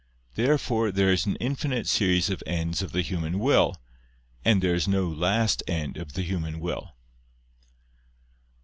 Therefore there is an infinite series of ends of the human will, and there is no last end of the human will.